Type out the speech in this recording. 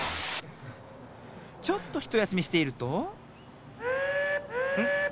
ちょっとひとやすみしているとん？